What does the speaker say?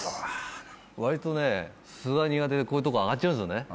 わりと素が苦手でこういうとこあがっちゃうんですよね。